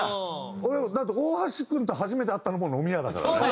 だって大橋君と初めて会ったのも飲み屋だからね。